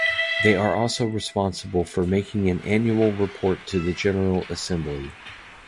They are also responsible for making an annual report to the General Assembly.